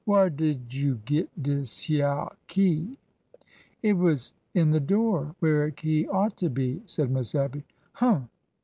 Whar did you git dis hyeah key ?"'' It was in the door, where a key ought to be," said Miss Abby. Humph